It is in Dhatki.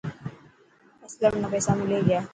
اسلم نا پيسا ملي گيا.